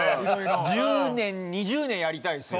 １０年２０年やりたいっすよ。